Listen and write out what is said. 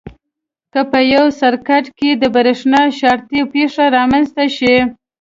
که په یو سرکټ کې د برېښنا شارټي پېښه رامنځته شي.